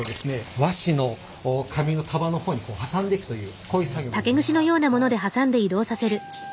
和紙の紙の束の方に挟んでいくというこういう作業になります。